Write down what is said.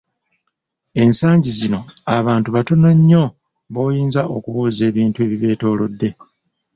Ensangi zino abantu batono nnyo b’oyinza okubuuza ebintu ebibetoolodde!